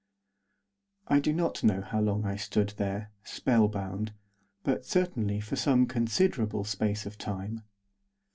I do not know how long I stood there, spell bound, but certainly for some considerable space of time.